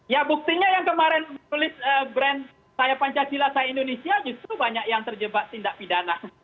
ya buktinya yang kemarin menulis brand saya pancasila saya indonesia justru banyak yang terjebak tindak pidana